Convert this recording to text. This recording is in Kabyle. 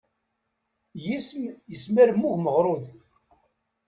Yis-m yesmermug meɣrud.